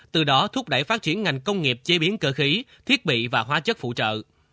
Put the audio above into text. từ đó thúc đẩy phát triển ngành công nghiệp chế biến cơ khí thiết bị và hóa chất phụ trợ